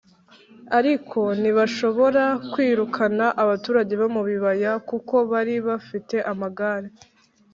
ariko ntibashobora kwirukana abaturage bo mu bibaya kuko bari bafite amagare